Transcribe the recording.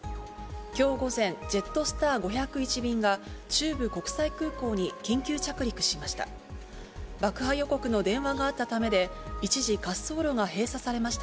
きょう午前、ジェットスター５０１便が、中部国際空港に緊急着陸しました。